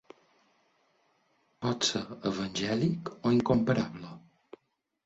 Pot ser evangèlic o incomparable.